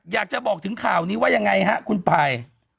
อยากจะบอกถึงข่าวนี้ว่ายังไงฮะคุณภัย